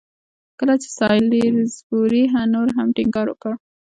کله چې سالیزبوري نور هم ټینګار وکړ.